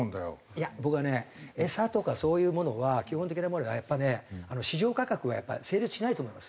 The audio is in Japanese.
いや僕はね餌とかそういうものは基本的なものはやっぱね市場価格がやっぱ成立しないと思いますわ。